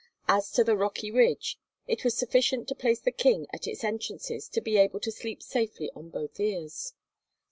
As to the rocky ridge, it was sufficient to place the King at its entrances to be able to sleep safely on both ears.